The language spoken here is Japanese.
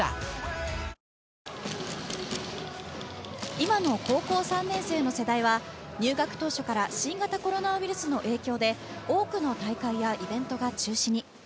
今の高校３年生の世代は入学当初から新型コロナウイルスの影響で多くの大会やイベントが中止に。